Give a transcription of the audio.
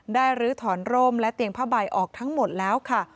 ลื้อถอนร่มและเตียงผ้าใบออกทั้งหมดแล้วค่ะ